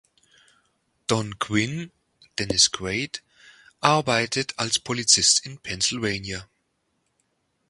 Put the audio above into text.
Don Quinn (Dennis Quaid) arbeitet als Polizist in Pennsylvania.